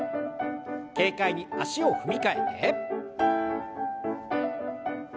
軽快に足を踏み替えて。